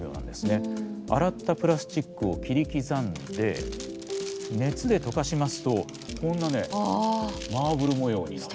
洗ったプラスチックを切り刻んで熱で溶かしますとこんなマーブル模様になる。